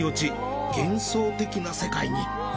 幻想的な世界に。